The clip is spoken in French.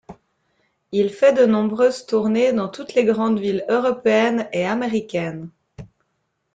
Il fait de nombreuses tournées dans toutes les grandes villes européennes et américaines.